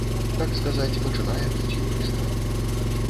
Так сказаць, пачынае быць юрыстам.